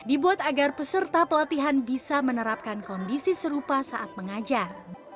dibuat agar peserta pelatihan bisa menerapkan kondisi serupa saat mengajar